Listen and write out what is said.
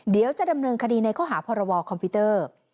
เดี๋ยวจะดำเนินคดีในข้อหาพรบคอมพิวเตอร์